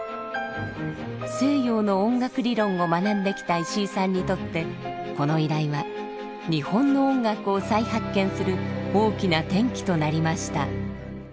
西洋の音楽理論を学んできた石井さんにとってこの依頼は日本の音楽を再発見する大きな転機となりました。